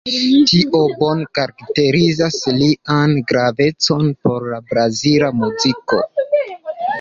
Tio bone karakterizas lian gravecon por la brazila muziko.